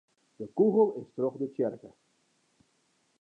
De kûgel is troch de tsjerke.